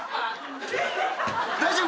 大丈夫？